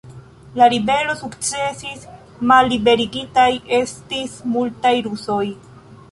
La ribelo sukcesis, malliberigitaj estis multaj rusoj.